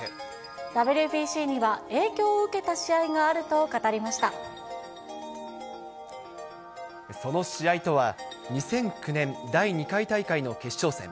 ＷＢＣには、影響を受けた試その試合とは、２００９年第２回大会の決勝戦。